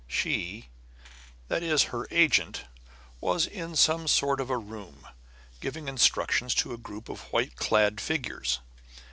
She that is, her agent was in some sort of a room, giving instructions to a group of white clad figures.